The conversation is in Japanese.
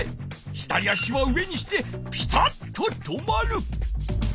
左足は上にしてぴたっと止まる！